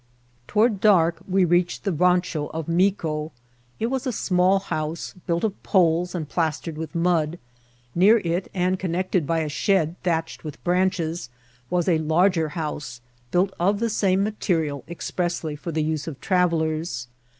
Toward dark we reached the rancho of Mioo. It was a small house, built of pedes and plastered with mud. Near it, and connected by a shed thatched with branches, was a larger house, built of the same mate rial, expressly for the use of travellers.